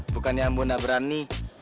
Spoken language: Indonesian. bukannya ambo gak berani